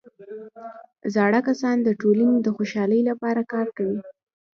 زاړه کسان د ټولنې د خوشحالۍ لپاره کار کوي